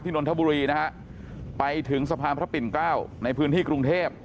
นนทบุรีนะฮะไปถึงสะพานพระปิ่นเกล้าในพื้นที่กรุงเทพ